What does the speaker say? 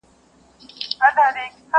او ژور فکر پيدا